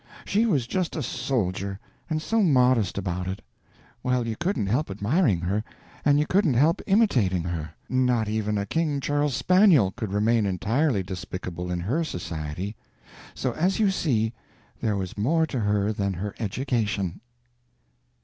she was just a soldier; and so modest about it well, you couldn't help admiring her, and you couldn't help imitating her; not even a King Charles spaniel could remain entirely despicable in her society. So, as you see, there was more to her than her education.